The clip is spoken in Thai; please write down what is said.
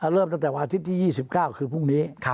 เริ่มตั้งแต่วันอาทิตย์ที่๒๙คือพรุ่งนี้